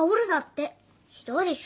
ひどいでしょ？